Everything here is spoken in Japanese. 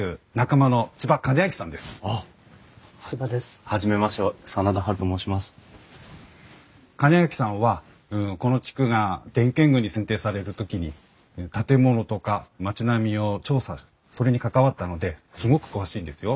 周秋さんはこの地区が伝建群に選定される時に建物とか町並みを調査するそれに関わったのですごく詳しいんですよ。